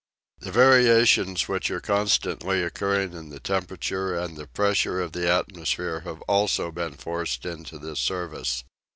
The variations which are constantly occurring in the temperature and the pressure of the atmosphere have also been forced into this service.